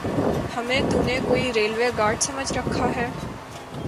ہمیں تو نے کوئی ریلوے گارڈ سمجھ رکھا ہے؟